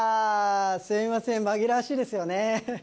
すいません紛らわしいですよね